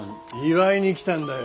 祝いに来たんだよ。